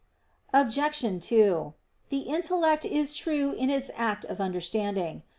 Obj. 2: Further, the intellect is true in its act of understanding.